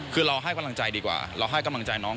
คือเราให้กำลังใจดีกว่าเราให้กำลังใจน้อง